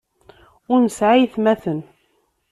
Ur nesɛi aytmaten.